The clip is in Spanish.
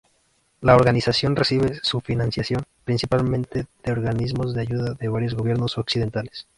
La organización recibe su financiación principalmente de organismos de ayuda de varios gobiernos occidentales.